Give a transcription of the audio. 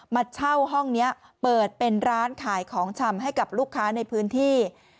มาเช่าห้องนี้เปิดเป็นร้านขายของชำให้กับลูกค้าในพื้นที่